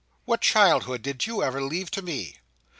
What childhood did you ever leave to me?